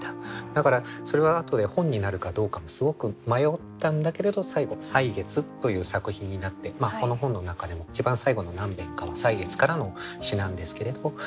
だからそれは後で本になるかどうかもすごく迷ったんだけれど最後「歳月」という作品になってこの本の中でも一番最後の何べんかは「歳月」からの詩なんですけれど。